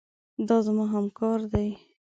دا زما همکار دی.